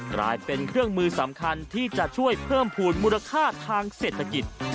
กลายเป็นเครื่องมือสำคัญที่จะช่วยเพิ่มภูมิมูลค่าทางเศรษฐกิจ